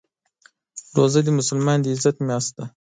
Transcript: روژه د مسلمان د عزت میاشت ده.